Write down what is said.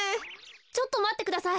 ちょっとまってください。